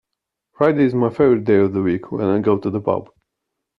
Friday is my favourite day of the week, when I go to the pub